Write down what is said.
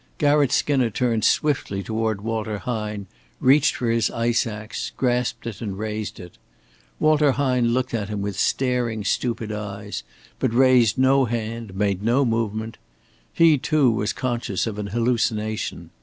Garratt Skinner turned swiftly toward Walter Hine, reached for his ice ax, grasped it and raised it, Walter Hine looked at him with staring, stupid eyes, but raised no hand, made no movement. He, too, was conscious of an hallucination.